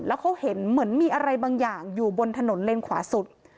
แล้วเขาเห็นเหมือนมีอะไรบางอย่างอยู่บนถนนเลนขวาสุด